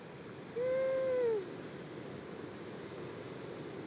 うん！